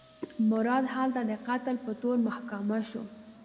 مراد هلته د قتل په تور محاکمه شو.